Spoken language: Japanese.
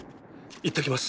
行って来ます！